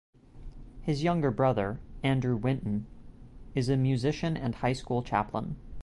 His younger brother, Andrew Winton, is a musician and a high school chaplain.